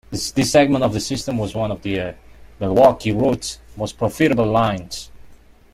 This segment of the system was one of the Milwaukee Road's most profitable lines.